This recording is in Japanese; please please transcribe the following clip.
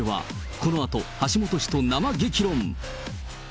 このあと、橋下氏と生激論。